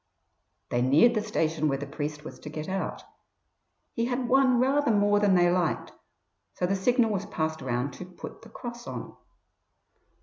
They neared the station where the priest was to get out. He had won rather more than they liked, so the signal was passed round to "put the cross on".